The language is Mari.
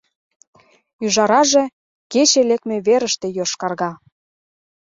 Ӱжараже кече лекме верыште йошкарга.